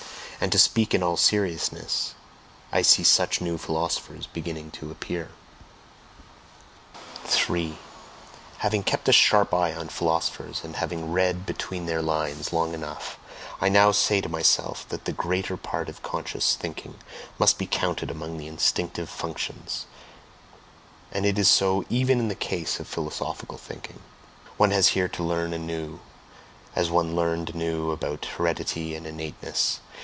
And to speak in all seriousness, I see such new philosophers beginning to appear. 3. Having kept a sharp eye on philosophers, and having read between their lines long enough, I now say to myself that the greater part of conscious thinking must be counted among the instinctive functions, and it is so even in the case of philosophical thinking; one has here to learn anew, as one learned anew about heredity and "innateness."